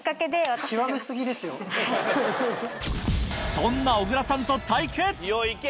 そんな小倉さんと対決！